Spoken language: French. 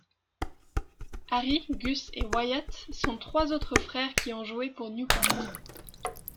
Harry, Gus et Wyatt sont trois autres frères qui ont joué pour Newport.